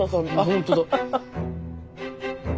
本当だ。